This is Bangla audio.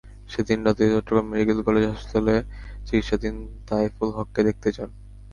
সেদিন রাতে চট্টগ্রাম মেডিকেল কলেজ হাসপাতালে চিকিৎসাধীন তাইফুল হককে দেখতে যান।